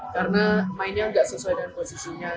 karena mainnya nggak sesuai dengan posisinya